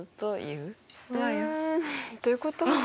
うんどういうこと？